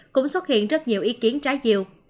cũng xuất hiện rất nhiều ý kiến trái diều